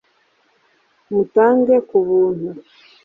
mutange ku buntu